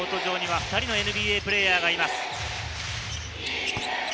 現在、コート上には２人のＮＢＡプレーヤーがいます。